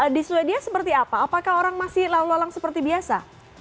di sweden seperti apa apakah orang masih lalu lalang seperti biasa